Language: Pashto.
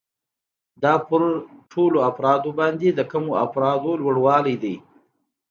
دا په ټولو افرادو باندې د کمو افرادو لوړوالی دی